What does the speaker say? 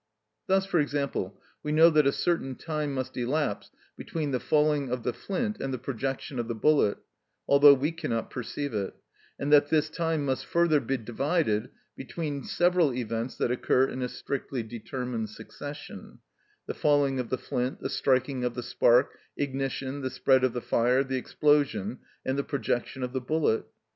Thus, for example, we know that a certain time must elapse between the falling of the flint and the projection of the bullet, although we cannot perceive it, and that this time must further be divided between several events that occur in a strictly determined succession—the falling of the flint, the striking of the spark, ignition, the spread of the fire, the explosion, and the projection of the bullet.